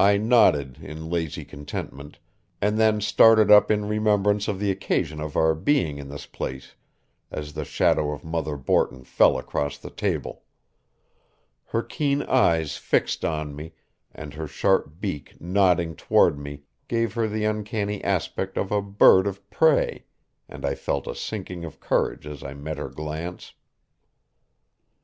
I nodded in lazy contentment, and then started up in remembrance of the occasion of our being in this place as the shadow of Mother Borton fell across the table. Her keen eyes fixed on me and her sharp beak nodding toward me gave her the uncanny aspect of a bird of prey, and I felt a sinking of courage as I met her glance.